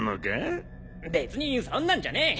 別にそんなんじゃねえよ！